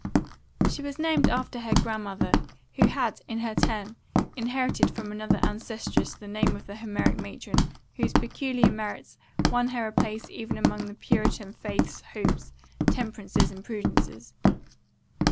She was named after her grandmother, who had in her turn inherited from another ancestress the name of the Homeric matron whose peculiar merits won her a place even among the Puritan Faiths, Hopes, Temperances, and Prudences.